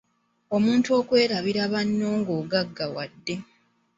Omuntu okwerabira banno nga ogaggawadde.